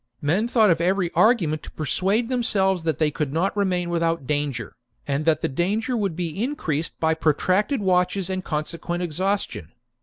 Men thought of every argument to persuade themselves that they could not remain without danger, and that the danger would be increased by protracted watches and consequent exhaustion.